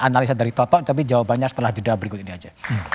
analisa dari toto tapi jawabannya setelah jeda berikut ini aja